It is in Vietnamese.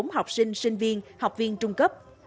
bảy mươi bốn học sinh sinh viên học viên trung cấp